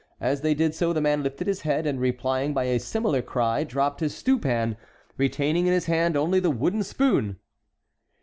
As they did so the man lifted his head and, replying by a similar cry, dropped his stew pan, retaining in his hand only his wooden spoon.